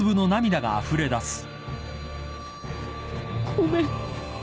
ごめん